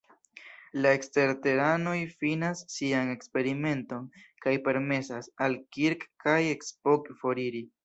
La eksterteranoj finas sian eksperimenton kaj permesas al Kirk kaj Spock foriri.